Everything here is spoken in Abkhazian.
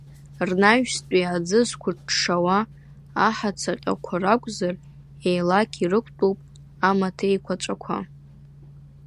Рнаҩстәи аӡы зқәыҽҽауа аҳацаҟьақәа ракәзар, еилақь ирықәтәоуп амаҭеиқәаҵәақәа.